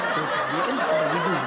dosa nya kan bisa dibuat